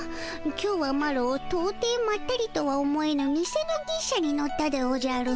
今日はマロとうていまったりとは思えぬにせの牛車に乗ったでおじゃる。